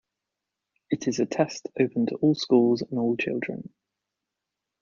It is a test open to all schools and all children.